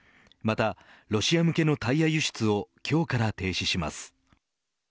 またロシア向けのタイヤ輸出を今日から停止します。